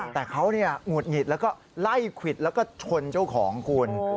แต่เขาหงุดหงิดแล้วก็ไล่ควิดแล้วก็ชนเจ้าของคุณ